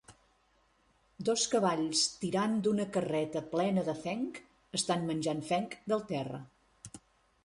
Dos cavalls, tirant d"una carreta plena de fenc, estan menjant fenc del terra.